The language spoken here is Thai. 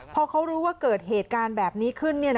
พอเขารู้ว่าเกิดเหตุการณ์แบบนี้ขึ้น